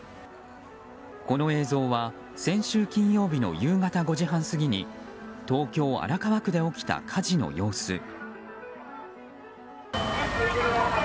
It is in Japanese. この映像は先週金曜日の夕方５時半過ぎに東京・荒川区で起きた火事の様子。